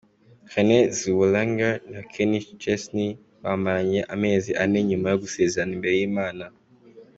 Renée Zellwenger na Kenny Chesney bamaranye amezi ane nyuma yo gusezerana imbere y’ Imana.